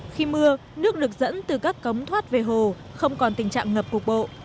khi mưa nước được dẫn từ các cống thoát về hồ không còn tình trạng ngập cuộc bộ